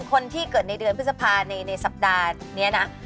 คนที่เกิดในเดือนพฤษภาในสัปดาห์นี้นะ